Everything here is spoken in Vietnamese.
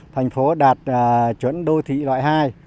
thành phố đạt chuẩn đô thị loại hai